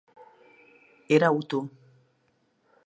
Era hutu.